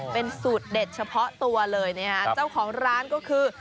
เป็นสูตรเด็ดเฉพาะตัวเลยนะฮะเจ้าของร้านก็คือ